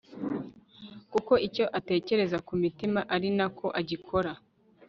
kuko icyo atekereza ku mutima ari na ko agikora